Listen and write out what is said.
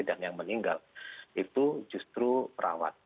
dan yang meninggal itu justru perawat